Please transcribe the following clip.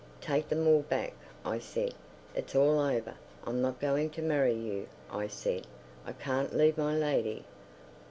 "Take them all back," I said, "it's all over. I'm not going to marry you," I said, "I can't leave my lady."